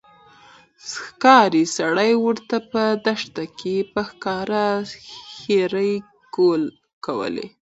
ښکارې سړي ورته په دښته کښي په ښکاره ښيرې کولې